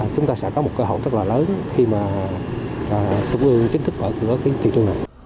chúng ta sẽ có cơ hội rất lớn khi chúng tôi chính thức ở thị trường này